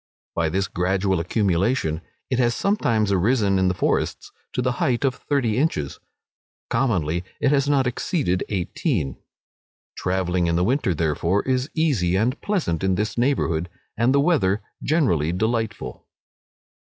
By this gradual accumulation, it has sometimes arisen in the forests to the height of thirty inches; commonly it has not exceeded eighteen. Travelling in the winter, therefore, is easy and pleasant in this neighbourhood, and the weather generally delightful.